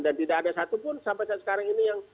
dan tidak ada satupun sampai saat sekarang ini